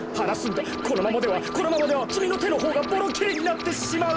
このままではこのままではきみのてのほうがボロきれになってしまう！